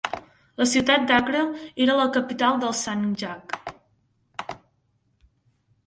La ciutat d'Acre era la capital dels sanjaq.